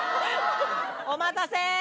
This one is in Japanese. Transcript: お待たせ！